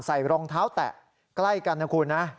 ใส่รองเท้าแตะใกล้กันนะครับคุณฮะ